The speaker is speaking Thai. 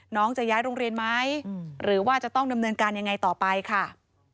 จะย้ายโรงเรียนไหมหรือว่าจะต้องดำเนินการยังไงต่อไปค่ะ